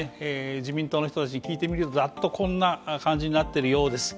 自民党の人たちに聞いてみるとざっとこんな感じになってるようです